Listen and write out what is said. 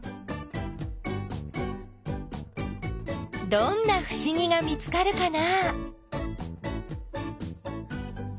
どんなふしぎが見つかるかな？